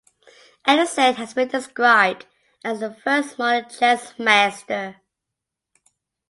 Anderssen has been described as the first modern chess master.